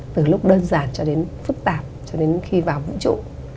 từ lúc đơn giản cho đến phức tạp cho đến khi vào vũ trụ